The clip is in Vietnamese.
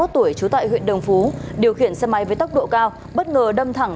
ba mươi tuổi trú tại huyện đồng phú điều khiển xe máy với tốc độ cao bất ngờ đâm thẳng